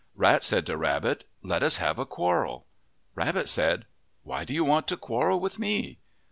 Rat said to Rabbit, " Let us have a quarrel." Rabbit said, " Why do you want to quarrel with me?"